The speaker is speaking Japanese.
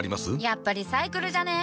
やっぱリサイクルじゃね？